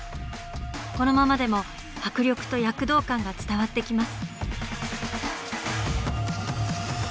このままでも迫力と躍動感が伝わってきます。